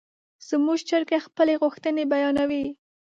زموږ چرګه خپلې غوښتنې بیانوي.